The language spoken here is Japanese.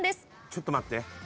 ちょっと待って。